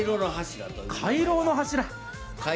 回廊の柱。